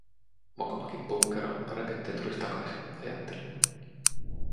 Mokomakin punkero, parempi, ettei tulisi takaisin, ajattelin.